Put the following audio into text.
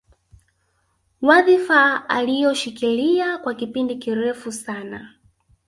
Wadhifa alioushikilia kwa kipindi kirefu sana